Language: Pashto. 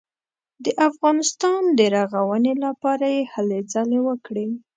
د افغانستان د رغونې لپاره یې هلې ځلې وکړې.